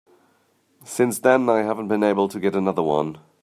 Since then I haven't been able to get another one.